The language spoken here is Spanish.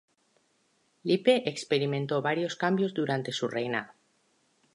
Lippe experimentó varios cambios durante su reinado.